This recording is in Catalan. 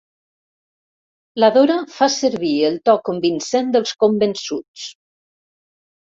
La Dora fa servir el to convincent dels convençuts.